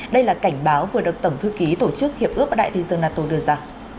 đây là cảnh báo vừa được tổng thư ký tổ chức hiệp ước đại tình dương nato đưa ra